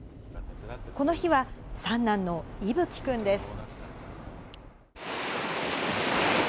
この日は三男の息吹君です。